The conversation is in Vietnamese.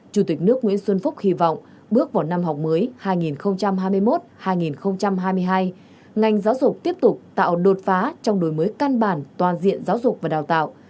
chủ tịch nước nguyễn xuân phúc hy vọng bước vào năm học mới hai nghìn hai mươi một hai nghìn hai mươi hai ngành giáo dục tiếp tục tạo đột phá trong đổi mới căn bản toàn diện giáo dục và đào tạo